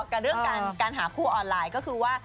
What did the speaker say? กับเรื่องการหาคู่ออนไลน์ก็คือว่า